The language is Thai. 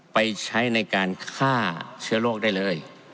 ไปใช้ในการฆ่าเชื้อโรคได้เลย